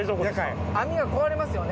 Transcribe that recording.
網が壊れますよね。